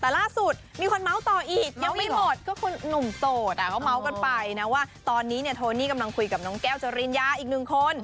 แต่ล่าสุดมีคนเมาส์ต่ออีกยังไม่หมดก็คุณหนุ่มโสดเขาเมาส์กันไปนะว่าตอนนี้เนี่ยโทนี่กำลังคุยกับน้องแก้วจริญญาอีกหนึ่งคน